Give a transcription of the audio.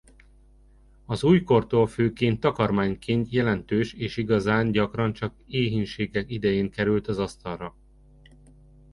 Az újkortól főként takarmányként jelentős és igazán gyakran csak éhínségek idején került az asztalra.